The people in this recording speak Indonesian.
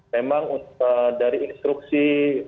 memang dari instruksi